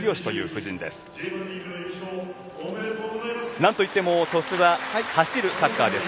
なんといっても鳥栖は走るサッカーです。